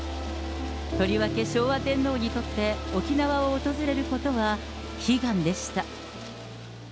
とりわけ、昭和天皇にとって沖縄を訪れることは悲願でした。